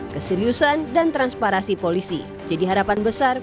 keseriusan dan transparasi polisi jadi harapan besar